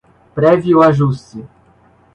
prévio ajuste